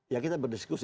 ya kita berdiskusi